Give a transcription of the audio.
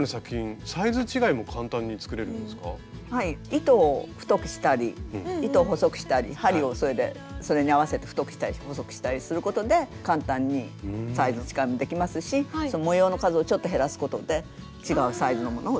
糸を太くしたり糸を細くしたり針をそれに合わせて太くしたり細くしたりすることで簡単にサイズ違いもできますし模様の数をちょっと減らすことで違うサイズのものを作る。